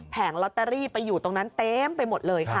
ลอตเตอรี่ไปอยู่ตรงนั้นเต็มไปหมดเลยค่ะ